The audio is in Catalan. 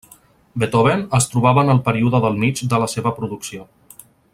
Beethoven es trobava en el període del mig de la seva producció.